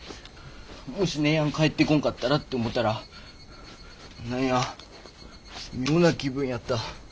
もし姉やん帰ってこんかったらって思うたら何や妙な気分やった。